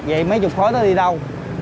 vậy mấy chục khối nó đi đâu